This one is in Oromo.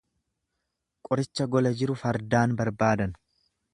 Qoricha gola jiru fardaan barbaadan.